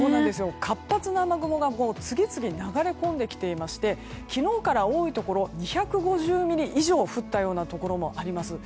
活発な雨雲が次々、流れ込んできていまして昨日から多いところ２５０ミリ以上降ったようなところもあります。